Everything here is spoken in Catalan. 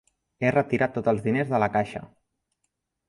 He retirat tots els diners de la caixa.